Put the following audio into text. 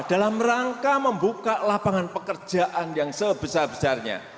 dalam rangka membuka lapangan pekerjaan yang sebesar besarnya